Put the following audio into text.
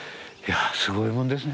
すごいもんですね